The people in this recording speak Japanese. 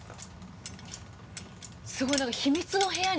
すごい何か秘密の部屋に来た気持ち。